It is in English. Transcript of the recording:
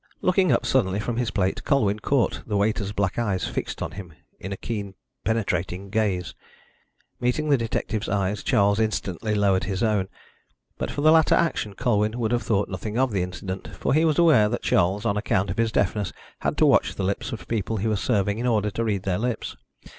Looking up suddenly from his plate, Colwyn caught the waiter's black eyes fixed on him in a keen penetrating gaze. Meeting the detective's eyes, Charles instantly lowered his own. But for the latter action Colwyn would have thought nothing of the incident, for he was aware that Charles, on account of his deafness, had to watch the lips of people he was serving in order to read their lips.